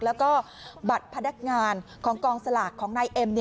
แล้วก็บัตรพนักงานของกองสลากของนายเอ็ม